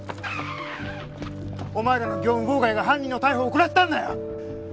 お前らの業務妨害が犯人の逮捕を遅らせたんだよ！